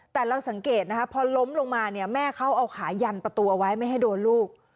แต่เราสังเกตนะคะพอล้มลงมาเนี่ยแม่เขาเอาขายันประตูเอาไว้ไม่ให้โดนลูก